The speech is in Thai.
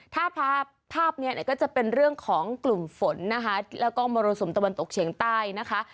ถ้าภาพภาพเนี่ยก็จะเป็นเรื่องของกลุ่มฝนนะคะแล้วก็มรสุมตะวันตกเฉียงใต้นะคะ